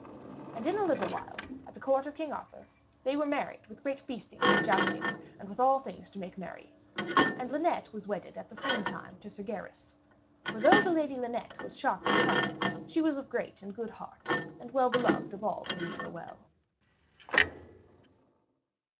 And in a little while, at the court of King Arthur, they were married with great feastings and joustings and with all things to make merry. And Linet was wedded at the same time to Sir Gaheris. For though the Lady Linet was sharp of tongue, she was of great and good heart, and well beloved of all who knew her well.